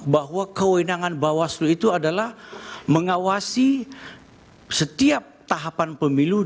bahwa kewenangan bawaslu itu adalah mengawasi setiap tahapan pemilu